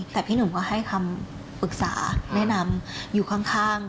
เป็นที่ให้คำอึกษาแนะนำอยู่ข้าง